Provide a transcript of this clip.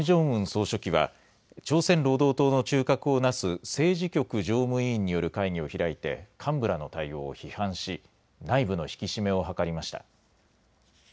総書記は朝鮮労働党の中核をなす政治局常務委員による会議を開いて幹部らの対応を批判し内部の引き締めを図りました。